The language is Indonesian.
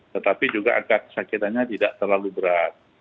tetapi juga angka kesakitannya tidak terlalu berat